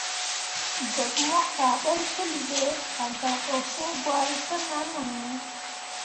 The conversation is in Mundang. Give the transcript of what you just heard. Ɗəḅ mo kaaɓəl pəli ɓe, a gak ursəŋ gwari təʼnan ah ya.